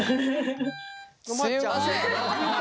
すいません。